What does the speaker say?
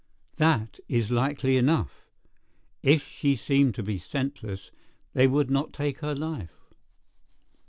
"That is likely enough. If she seemed to be senseless, they would not take her life.